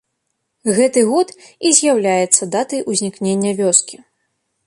Гэты год і з'яўляецца датай узнікнення вёскі.